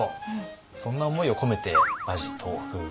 そんな思いを込めて馬耳豆腐。